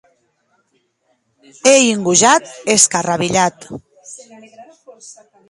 Ei un gojat escarrabilhat.